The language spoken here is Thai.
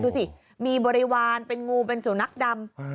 ดูสิมีบริวารเป็นงูเป็นสุนัขดำ